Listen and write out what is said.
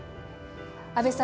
阿部さん